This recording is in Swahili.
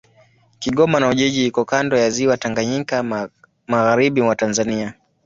Kigoma na Ujiji iko kando ya Ziwa Tanganyika, magharibi mwa Tanzania.